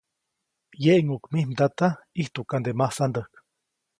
‒Yeʼŋuʼk mij mdata, ʼijtuʼkande masandäjk-.